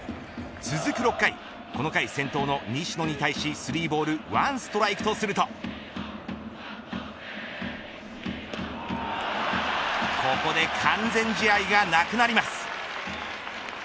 続く６回この回、先頭の西野に対し３ボール１ストライクとするとここで完全試合がなくなります。